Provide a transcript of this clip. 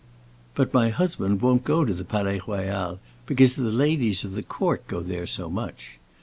But my husband won't go to the Palais Royal because the ladies of the court go there so much.